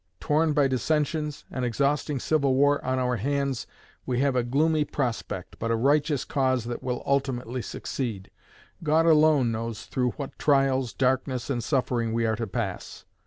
Torn by dissensions, an exhausting civil war on our hands, we have a gloomy prospect, but a righteous cause that will ultimately succeed. God alone knows through what trials, darkness, and suffering we are to pass."